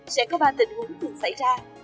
sẽ có ba tình huống từng xảy ra